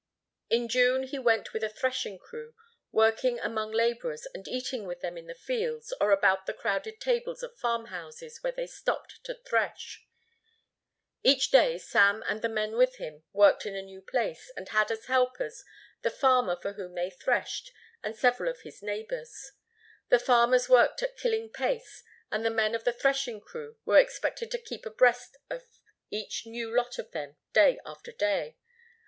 In June he went with a threshing crew, working among labourers and eating with them in the fields or about the crowded tables of farmhouses where they stopped to thresh. Each day Sam and the men with him worked in a new place and had as helpers the farmer for whom they threshed and several of his neighbours. The farmers worked at a killing pace and the men of the threshing crew were expected to keep abreast of each new lot of them day after day.